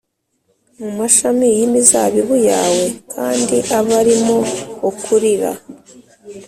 mumashami y imizabibu yawe kandi abe ari mo ukurira